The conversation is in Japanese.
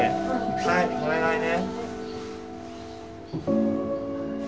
はいお願いね。